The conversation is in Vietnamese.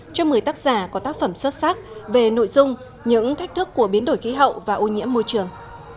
cho một mươi tác giả có tác phẩm xuất sắc về nội dung những thách thức của biến đổi khí hậu và ô nhiễm môi trường